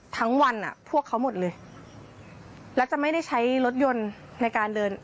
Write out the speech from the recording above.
ทั้งวันอ่ะพวกเขาหมดเลยแล้วจะไม่ได้ใช้รถยนต์ในการเดิน